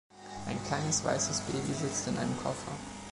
Ein kleines weißes Baby sitzt in einem Koffer.